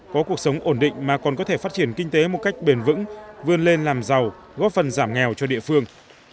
có cuộc sống ổn định mà còn có thể phát triển kinh tế một cách bền vững vươn lên làm giàu góp phần giảm nghèo cho địa phương